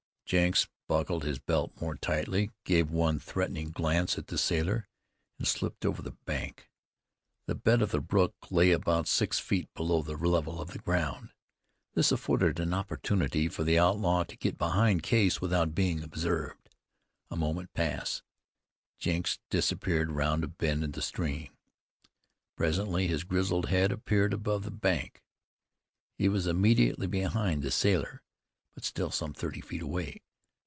Jenks buckled his belt more tightly, gave one threatening glance at the sailor, and slipped over the bank. The bed of the brook lay about six feet below the level of the ground. This afforded an opportunity for the outlaw to get behind Case without being observed. A moment passed. Jenks disappeared round a bend of the stream. Presently his grizzled head appeared above the bank. He was immediately behind the sailor; but still some thirty feet away.